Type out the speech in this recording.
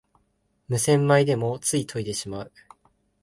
無洗米でもつい研いでしまう